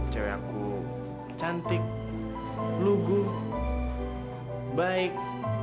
cewek aku cantik lugu baik